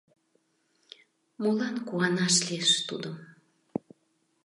— Молан куанаш лиеш, тудым.